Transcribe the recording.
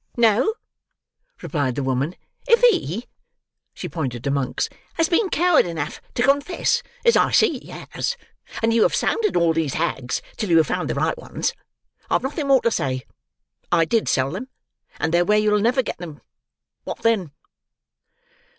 "No," replied the woman; "if he"—she pointed to Monks—"has been coward enough to confess, as I see he has, and you have sounded all these hags till you have found the right ones, I have nothing more to say. I did sell them, and they're where you'll never get them. What then?"